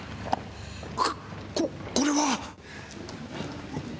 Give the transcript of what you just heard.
ここれは！？